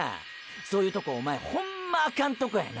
そういうとこおまえホンマアカンとこやな。